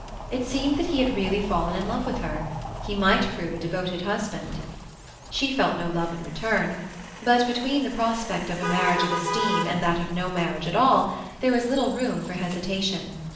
It seemed that he had really fallen in love with her; he might prove a devoted husband. She felt no love in return; but between the prospect of a marriage of esteem and that of no marriage at all there was little room for hesitation.